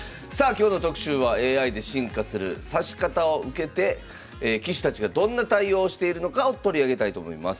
今日の特集はＡＩで進化する指し方を受けて棋士たちがどんな対応をしているのかを取り上げたいと思います。